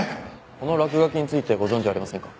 あの落書きについてご存じありませんか？